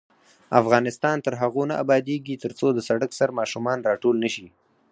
افغانستان تر هغو نه ابادیږي، ترڅو د سړک سر ماشومان راټول نشي.